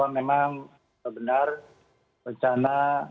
memang benar rencana